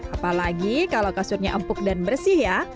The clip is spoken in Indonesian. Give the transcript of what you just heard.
apalagi kalau kasurnya empuk dan bersih ya